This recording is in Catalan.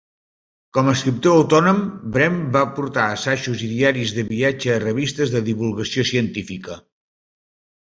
Com a escriptor autònom, Brehm va aportar assajos i diaris de viatge a revistes de divulgació científica.